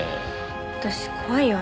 私怖いよ